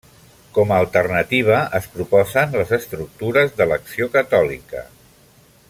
Com a alternativa es proposen les estructures de l'Acció Catòlica.